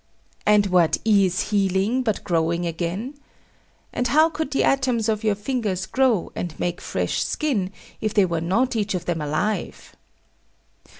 And what is healing but growing again? And how could the atoms of your fingers grow, and make fresh skin, if they were not each of them alive?